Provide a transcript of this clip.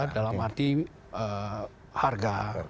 dalam arti harga